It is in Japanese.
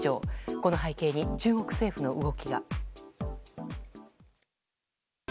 この背景に中国政府の動きが。